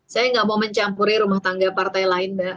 saya nggak mau mencampuri rumah tangga partai lain mbak